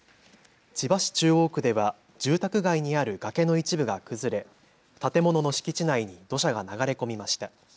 千葉市中央区では住宅街にある崖の一部が崩れ、建物の敷地内に土砂が流れ込みました。